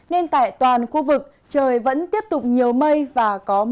nên tại toàn khu vực trời vẫn tiếp tục nhiều mây và có mưa